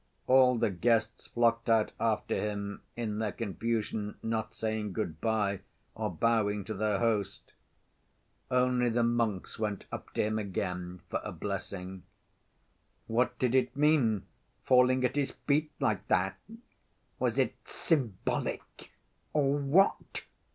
All the guests flocked out after him, in their confusion not saying good‐by, or bowing to their host. Only the monks went up to him again for a blessing. "What did it mean, falling at his feet like that? Was it symbolic or what?"